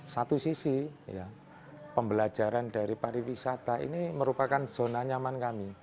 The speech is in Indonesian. satu sisi pembelajaran dari pariwisata ini merupakan zona nyaman kami